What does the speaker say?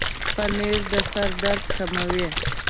پنېر د سر درد کموي.